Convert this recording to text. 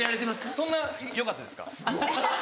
そんなよかったですか？